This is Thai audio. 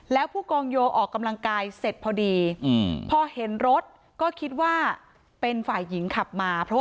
แล้วผู้กองโยออกกำลังกายเสร็จพอดีพอเห็นรถก็คิดว่าเป็นฝ่ายหญิงขับมาเพราะว่า